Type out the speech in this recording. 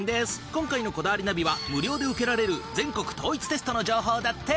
今回の『こだわりナビ』は無料で受けられる全国統一テストの情報だって！